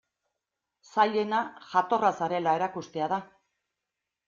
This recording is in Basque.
Zailena jatorra zarela erakustea da.